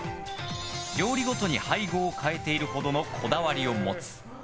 料理ごとに配合を変えているほどのこだわりを持つ。